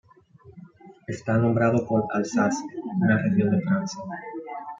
Está nombrado por Alsacia, una región de Francia.